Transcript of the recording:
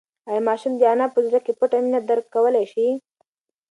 ایا ماشوم د انا په زړه کې پټه مینه درک کولی شي؟